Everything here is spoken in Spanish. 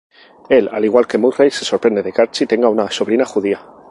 Él, al igual que Murray, se sorprende de que Archie tenga una sobrina judía.